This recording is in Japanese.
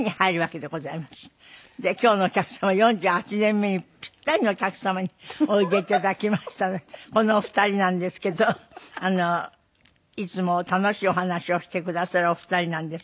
で今日のお客様４８年目にピッタリのお客様においで頂きましたのでこのお二人なんですけど。いつも楽しいお話をしてくださるお二人なんです。